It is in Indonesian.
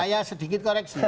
saya sedikit koreksi